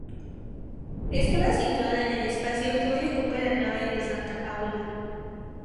Estaba situada en el espacio que hoy ocupa la nave de Santa Paula.